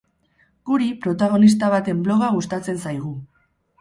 Guri, protagonista baten bloga gustatzen zaigu.